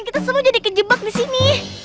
kita semua jadi kejebak disini